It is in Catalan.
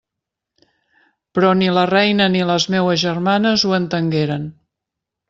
Però ni la reina ni les meues germanes ho entengueren.